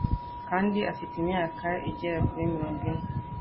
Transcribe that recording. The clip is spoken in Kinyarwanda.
kandi afite imyaka igera kuri murongo ine